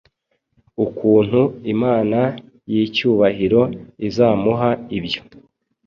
Ukuntu Imana yicyubahiro izamuha ibyo